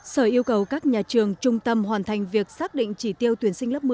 sở yêu cầu các nhà trường trung tâm hoàn thành việc xác định chỉ tiêu tuyển sinh lớp một mươi